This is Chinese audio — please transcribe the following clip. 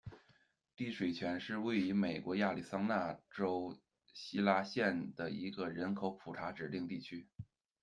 滴水泉是位于美国亚利桑那州希拉县的一个人口普查指定地区。